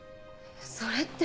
それって。